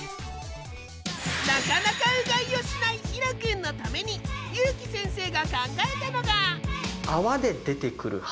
なかなかうがいをしないイロくんのためにゆーき先生が考えたのが。